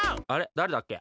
だれだっけ？